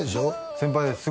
先輩です